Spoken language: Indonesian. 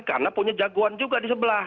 karena punya jagoan juga di sebelah